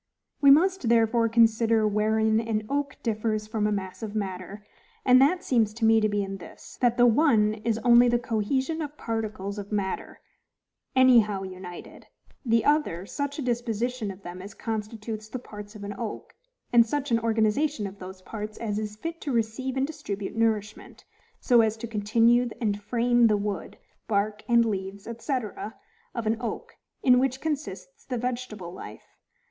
We must therefore consider wherein an oak differs from a mass of matter, and that seems to me to be in this, that the one is only the cohesion of particles of matter any how united, the other such a disposition of them as constitutes the parts of an oak; and such an organization of those parts as is fit to receive and distribute nourishment, so as to continue and frame the wood, bark, and leaves, &c., of an oak, in which consists the vegetable life.